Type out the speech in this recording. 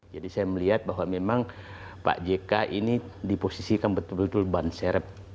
jadi saya melihat bahwa memang pak jk ini diposisikan betul betul ban serep